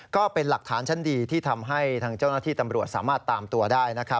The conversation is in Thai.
ก็เป็นหลักฐานชั้นดีที่ทำให้ทางเจ้าหน้าที่ตำรวจสามารถตามตัวได้